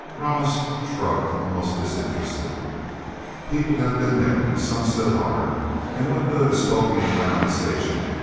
Ramos shrugged, almost disinterested. "People have been there some still are. And what good is poking around the Station?